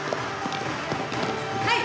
はい！